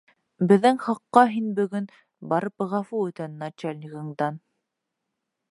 Беҙҙең хаҡҡа һин бөгөн барып ғәфү үтен начал ьнигыңдан...